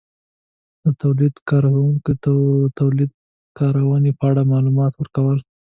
-د تولید کارونکو ته د تولید کارونې په اړه مالومات ورکول